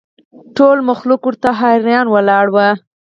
ټول مخلوق ورته حیران ولاړ ول